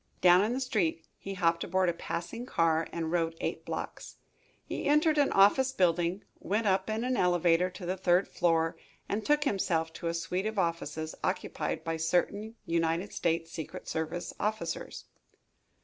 Down in the street he hopped aboard a passing car and rode eight blocks. He entered an office building, went up in an elevator to the third floor, and took himself to a suite of offices occupied by certain United States secret service officers.